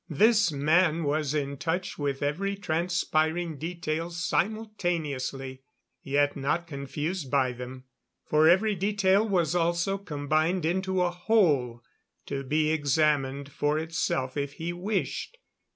This man was in touch with every transpiring detail simultaneously; yet not confused by them, for every detail was also combined into a whole to be examined for itself if he wished.